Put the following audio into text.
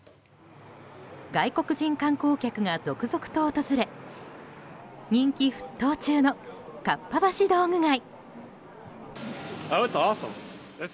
外国人観光客が続々と訪れ人気沸騰中の、かっぱ橋道具街。